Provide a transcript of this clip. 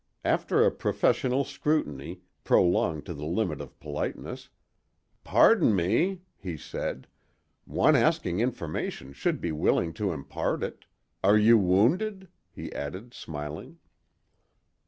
After a professional scrutiny, prolonged to the limit of politeness, "Pardon me," he said; "one asking information should be willing to impart it. Are you wounded?" he added, smiling.